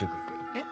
えっ？